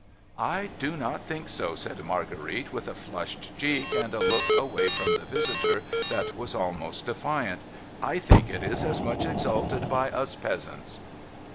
' I do not think so,' said Marguerite, with a flushed cheek, and a look away from the visitor, that was almost defiant. ' I think it is as much exalted by us peasants.'